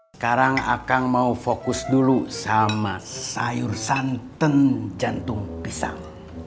sekarang akang mau fokus dulu sama sayur santan jantung pisang